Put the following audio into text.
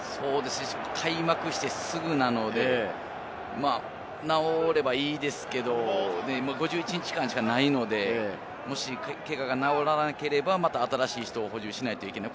開幕してすぐなので、治ればいいですけれど、５１日間しかないので、もし、けがが治らなければ、また新しい人を補充しなければいけない。